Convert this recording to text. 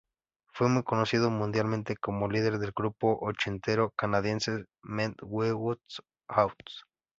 Fue muy conocido mundialmente como líder del grupo ochentero canadiense Men Without Hats.